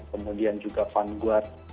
kemudian juga fundguard